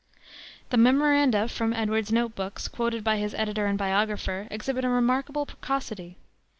The memoranda from Edwards's note books, quoted by his editor and biographer, exhibit a remarkable precocity.